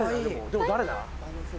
でも誰だ？